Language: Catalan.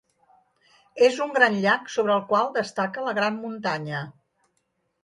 És un gran llac sobre el qual destaca la gran muntanya.